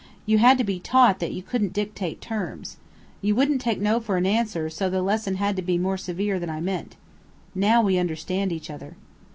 You had to be taught that you couldn't dictate terms. You wouldn't take 'no' for an answer, so the lesson had to be more severe than I meant. Now we understand each other."